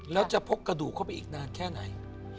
แล้วจะพกกระดูกเข้าไปอีกนานแค่ไหน